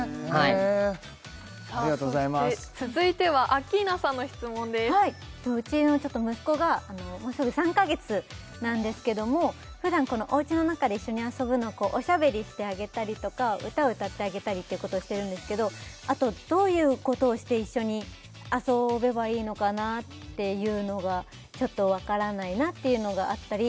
へえありがとうございます続いてはアッキーナさんの質問ですうちの息子がもうすぐ３か月なんですけどもふだんおうちの中で一緒に遊ぶのおしゃべりしてあげたりとか歌を歌ってあげたりっていうことをしてるんですけどあとどういうことをして一緒に遊べばいいのかなっていうのがちょっとわからないなっていうのがあったり